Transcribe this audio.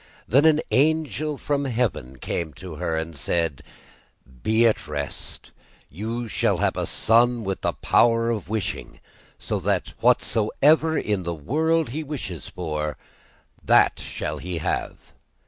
Then an angel from heaven came to her and said: 'Be at rest, you shall have a son with the power of wishing, so that whatsoever in the world he wishes for, that shall he have.